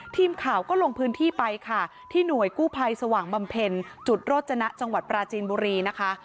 ทีมข่าวก็ลงพื้นที่ไปค่ะที่หน่วยกู้ภัยสว่างบำเพ็ญจุดโรจนะจังหวัดปราจีนบุรีนะคะ